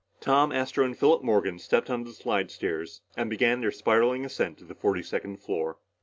Tom, Astro, and Philip Morgan stepped on the slidestairs and began their spiraling ascent to the forty second floor.